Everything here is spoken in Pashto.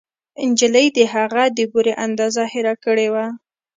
نجلۍ د هغه د بورې اندازه هېره کړې وه